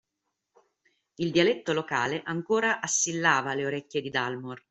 Il dialetto locale ancora assillava le orecchie di Dalmor